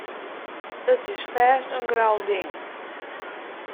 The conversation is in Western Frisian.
It is fêst in grou ding.